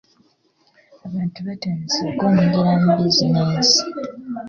Abantu batandise okwenyigira mu bizinensi.